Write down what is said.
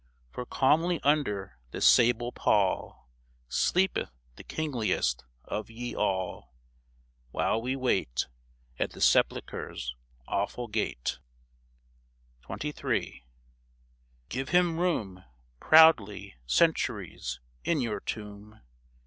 For calmly under this sable pall Sleepeth the kingliest of ye all, While we wait At the sepulchre's awful gate ! XXIII. Give him room Proudly, Centuries ! in your tomb.